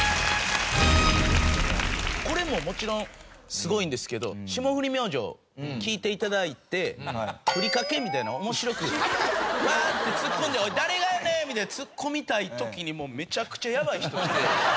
これももちろんすごいんですけど霜降り明星聞いて頂いて「ふりかけ」みたいな面白くわーってツッコんで「おい誰がやねん！」みたいにツッコみたい時にもうめちゃくちゃやばい人来て。